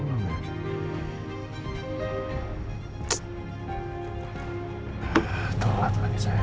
ini jangan jangan mau ngabarin kalau rena udah pulang ya